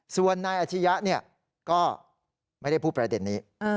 ส่วนนายอาชิยะก็ไม่ได้พูดประเด็นนี้